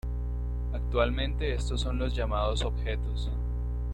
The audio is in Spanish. Actualmente estos son llamados objetos.